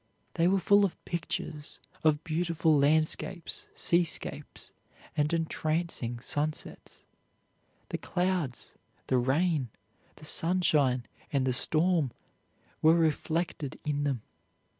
They were full of pictures of beautiful landscapes, seascapes, and entrancing sunsets. The clouds, the rain, the sunshine, and the storm were reflected in them.